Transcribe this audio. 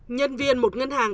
nhân viên một ngân hàng